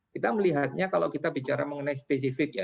kita melihatnya kalau kita bicara mengenai spesifik ya